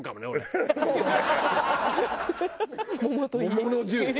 桃のジュース。